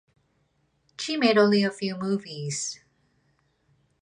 She made only a few movies.